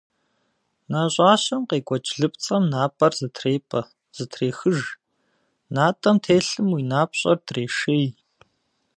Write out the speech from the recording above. Нэщӏащэм къекӏуэкӏ лыпцӏэм напӏэр зэтрепӏэ, зэтрехыж, натӏэм телъым уи напщӏэр дрешей.